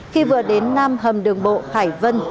khi vừa đến nam hầm đường bộ hải vân